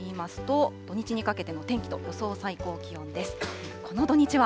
この土日はといいますと、土日にかけての天気と予想最高気温です。